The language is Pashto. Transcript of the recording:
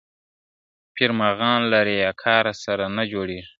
پیر مغان له ریاکاره سره نه جوړیږي ,